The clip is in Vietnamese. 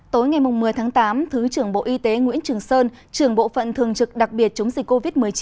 tối ngày một mươi tháng tám thứ trưởng bộ y tế nguyễn trường sơn trưởng bộ phận thường trực đặc biệt chống dịch covid một mươi chín